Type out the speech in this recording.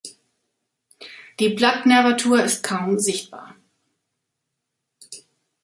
Die Blattnervatur ist kaum sichtbar.